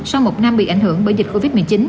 sau một năm bị ảnh hưởng bởi dịch covid một mươi chín